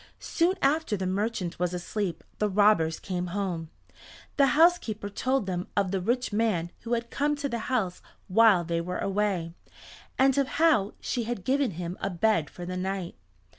Soon after the merchant was asleep the robbers came home. The housekeeper told them of the rich man who had come to the house while they were away, and of how she had given him a bed for the night.